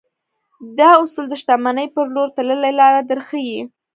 دا اصول د شتمنۍ پر لور تللې لاره درښيي.